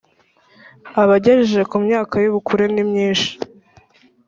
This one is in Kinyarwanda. Abagejeje ku myaka y ‘ubukure nimyishi.